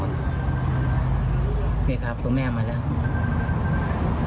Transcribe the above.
นี่ครับตัวแม่มาแล้ว